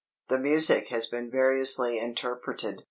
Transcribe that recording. The music has been variously interpreted.